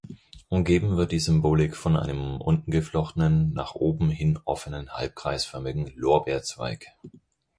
Umgeben wird die Symbolik von einem unten geflochtenen nach oben hin offenen halbkreisförmigen Lorbeerzweig.